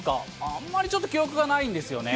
あんまり記憶がないんですよね。